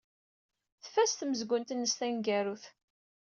Tfaz tmezgunt-nnes taneggarut.